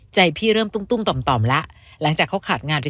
พี่เริ่มตุ้มต่อมต่อมแล้วหลังจากเขาขาดงานไป